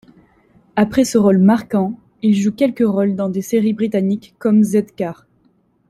Après ce rôle marquant, il joue quelques rôles dans des séries britanniques comme Z-Cars.